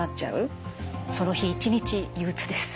その日一日憂うつです。